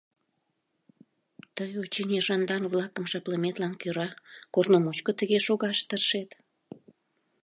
— Тый, очыни, жандарм-влакым жаплыметлан кӧра корно мучко тыге шогаш тыршет.